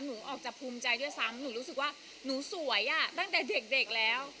หนูออกจากภูมิใจด้วยซ้ำหนูรู้สึกว่าหนูสวยอ่ะตั้งแต่เด็กแล้ว